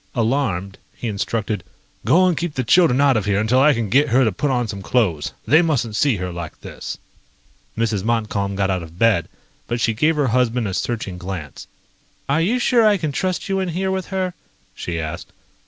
Alarmed, he instructed: "Go and keep the children out of here until I can get her to put on some clothes. They mustn't see her like this." Mrs. Montcalm got out of bed, but she gave her husband a searching glance. "Are you sure I can trust you in here with her?" she asked.